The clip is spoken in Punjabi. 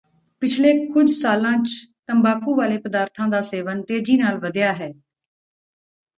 ਪਿਛਲੇ ਕੁਝ ਸਾਲਾਂ ਚ ਤੰਬਾਕੂ ਵਾਲੇ ਪਦਾਰਥਾਂ ਦਾ ਸੇਵਨ ਤੇਜ਼ੀ ਨਾਲ ਵਧਿਆ ਹੈ